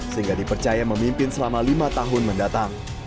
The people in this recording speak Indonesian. sehingga dipercaya memimpin selama lima tahun mendatang